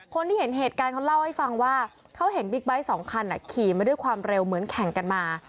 คนที่เห็นเหตุการณ์เขาเล่าให้ฟังว่าเขาเห็นบิ๊กไบท์สองคันขี่มาด้วยความเร็วเหมือนแข่งกันมา